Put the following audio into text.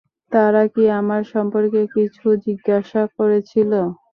তারা কি আমার সম্পর্কে কিছু জিজ্ঞাসা করেছিল?